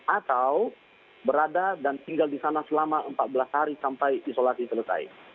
atau berada dan tinggal di sana selama empat belas hari sampai isolasi selesai